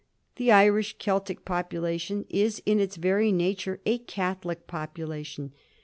The Irish Celtic population is in its very nature a Catholic population.